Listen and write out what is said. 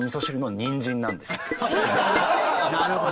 なるほど。